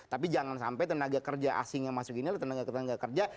tapi jangan sampai tenaga kerja asing yang masuk inilah tenaga kerja